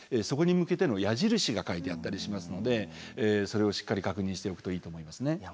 そこに向けての矢印が書いてあったりしますのでそれをしっかり確認しておくといいと思いますね。